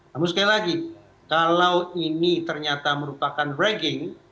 namun sekali lagi kalau ini ternyata merupakan ragging